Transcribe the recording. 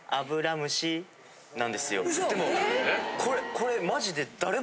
これマジで。